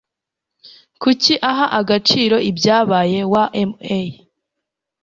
Kuki uha agaciro ibyabaye? (wma)